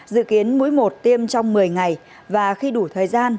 dự kiến mỗi một tiêm trong một mươi ngày và khi đủ thời gian